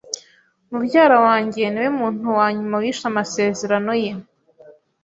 Mubyara wanjye niwe muntu wa nyuma wishe amasezerano ye.